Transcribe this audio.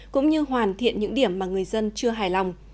cũng như hoàn thiện những điểm mà người dân chưa hài lòng